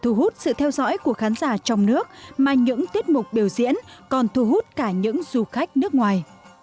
thu hút sự theo dõi của khán giả trong nước mà những tiết mục biểu diễn còn thu hút cả những du khách nước ngoài